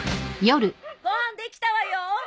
ご飯できたわよ！